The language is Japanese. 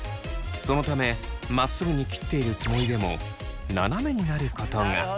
そのためまっすぐに切っているつもりでもななめになることが。